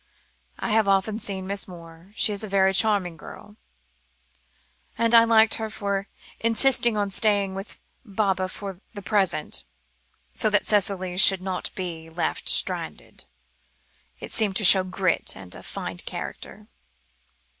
I have often seen Miss Moore; she is a very charming girl, and I liked her for insisting on staying with Baba for the present, so that Cicely should not be left stranded. It seemed to show grit, and a fine character."